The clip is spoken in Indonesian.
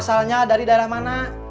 asalnya dari daerah mana